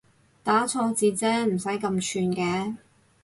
打錯字啫唔使咁串嘅